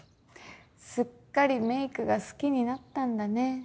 すっかりメイクが好きになったんだね。